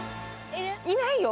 いないよ。